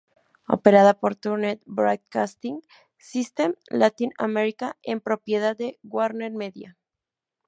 Operada por Turner Broadcasting System Latin America, es propiedad de WarnerMedia.